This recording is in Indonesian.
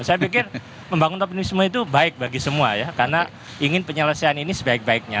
saya pikir membangun optimisme itu baik bagi semua ya karena ingin penyelesaian ini sebaik baiknya